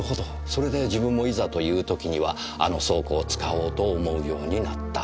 それで自分もいざという時にはあの倉庫を使おうと思うようになった。